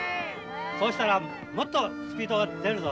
そうしたらもっとスピードが出るぞ。